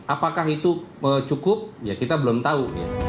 apakah itu cukup ya kita belum tahu